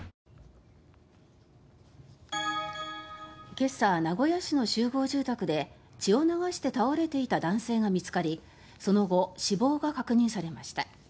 今朝、名古屋市の集合住宅で血を流して倒れていた男性が見つかりその後、死亡が確認されました。